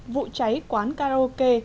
vụ cháy quán karaoke